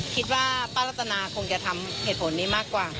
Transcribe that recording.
คิดว่าป้ารัตนาคงจะทำเหตุผลนี้มากกว่า